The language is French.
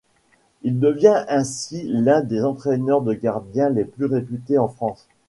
Il devient ainsi l'un des entraîneurs de gardiens les plus réputés en France.